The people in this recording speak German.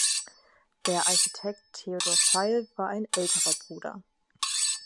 Der Architekt Theodor Veil war ein älterer Bruder.